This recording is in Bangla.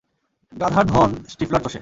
গাধার ধোন স্টিফলার চোষে!